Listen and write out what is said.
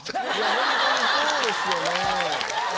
ホントにそうですよね。